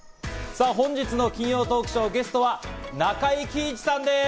さぁ、本日の金曜トークショー、ゲストは中井貴一さんです。